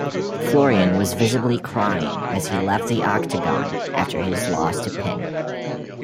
Florian was visibly crying as he left the octagon after his loss to Penn.